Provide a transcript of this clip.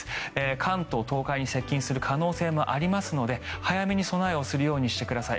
関東、東海に接近する可能性もありますので早めに備えをするようにしてください。